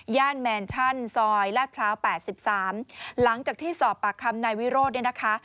แมนชั่นซอยลาดพร้าว๘๓หลังจากที่สอบปากคำนายวิโรธเนี่ยนะคะ